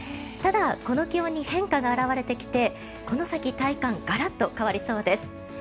ただ、この気温に変化が表れてきてこの先体感ガラッと変わりそうです。